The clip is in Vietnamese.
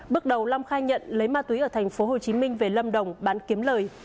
bước đầu long khai nhận lấy ma túy ở tp hcm về lâm đồng bán kiếm lời